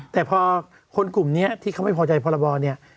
แต่พอคนกลุ่มนี้ที่เขาไม่พอใจพรบเนี่ย